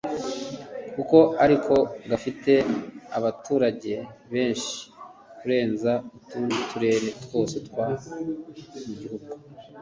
kuko ariko gafite abaturage benshi kurenza utundi turere twose two mu gihugu